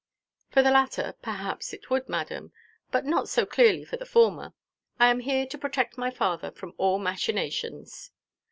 "For the latter, perhaps it would, madam; but not so clearly for the former. I am here to protect my father from all machinations."